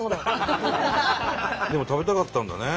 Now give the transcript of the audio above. でも食べたかったんだね。